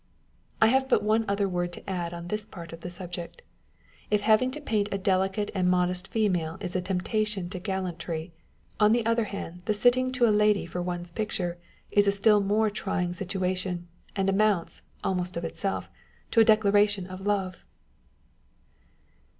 I have but one other word to add on this part of the subject : if having to paint a delicate and modest female is a temptation to gallantry, on the other hand the sitting to a lady for one's picture is a still more trying situation, and amounts (almost of itself) to a declaration of love